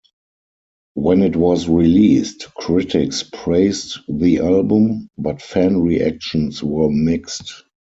When it was released, critics praised the album, but fan reactions were mixed.